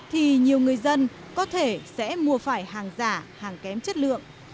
thì nhiều người dân có thể sẽ mua phải hàng giả hàng kém chất lượng